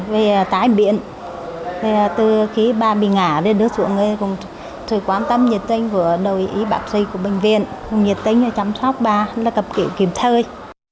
về tái biện từ khi bà bị ngả lên nước ruộng tôi quan tâm nhiệt tinh với đội y bác sĩ của bệnh viện nhiệt tinh chăm sóc bà cập kiểu kiểm thơi